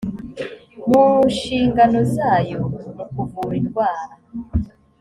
mu nshingano zayo mu kuvura indwara